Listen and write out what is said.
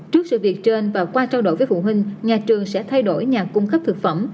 trước sự việc trên và qua trao đổi với phụ huynh nhà trường sẽ thay đổi nhà cung cấp thực phẩm